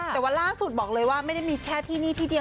แต่ว่าล่าสุดบอกเลยว่าไม่ได้มีแค่ที่นี่ที่เดียว